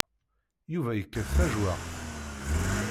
Yuba yekkat tajewwaqt.